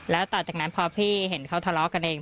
แล้วต่อจากนั้นพอพี่เห็นเขาทะเลาะกันเอง